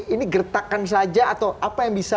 ini gertakan saja atau apa yang bisa